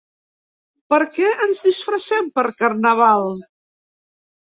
Per què ens disfressem per carnaval?